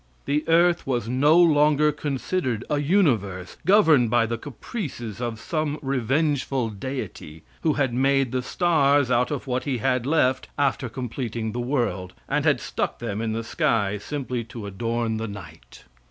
The earth was no longer considered a universe governed by the caprices of some revengeful Deity, who had made the stars out of what he had left after completing the world, and had stuck them in the sky simply to adorn the night.